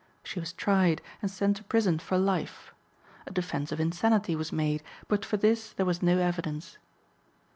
She was tried, and sent to prison for life. A defense of insanity was made, but for this there was no evidence.